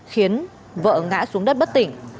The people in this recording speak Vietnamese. khiến vợ ngã xuống đất bất tỉnh